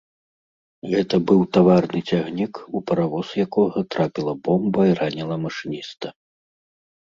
Гэта быў таварны цягнік, у паравоз якога трапіла бомба і раніла машыніста.